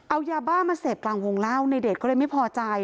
เอายาบ้ามาเสพกลางวงเล่าในเดชก็เลยไม่พอใจ